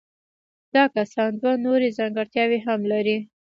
دا کسان دوه نورې ځانګړتیاوې هم لري.